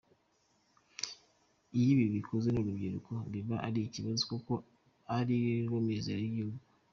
Iyo ibi bikozwe n’urubyiruko biba ari ikibazo kuko arirwo mizero y’igihugu.